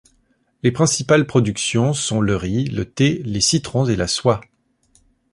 Les principales productions sont le riz, le thé, les citrons et la soie.